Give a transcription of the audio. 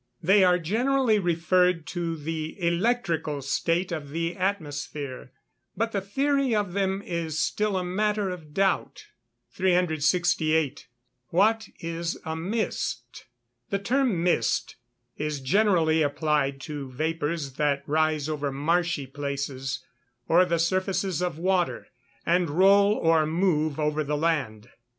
They are generally referred to the electrical state of the atmosphere, but the theory of them is still a matter of doubt. 368. What is a mist? The term mist is generally applied to vapours that rise over marshy places, or the surfaces of water, and roll or move over the land.